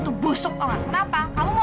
itu buat lara